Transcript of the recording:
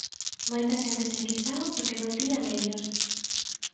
Moita xente se queixaba porque non tiña medios.